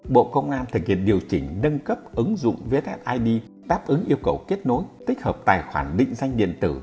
bộ công an thực hiện điều chỉnh đâng cấp ứng dụng vthid táp ứng yêu cầu kết nối tích hợp tài khoản định danh điện tử